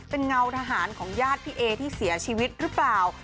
เป็นเงาทหารของญาติพี่เอที่เสียชีวิตหรือเปล่า